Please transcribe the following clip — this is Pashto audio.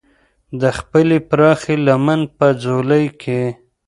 د خپلې پراخې لمن په ځولۍ کې.